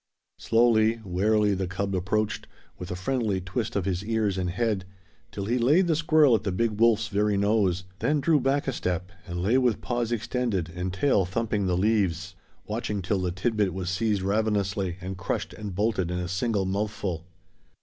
Slowly, warily the cub approached, with a friendly twist of his ears and head, till he laid the squirrel at the big wolf's very nose, then drew back a step and lay with paws extended and tail thumping the leaves, watching till the tidbit was seized ravenously and crushed and bolted in a single mouthful.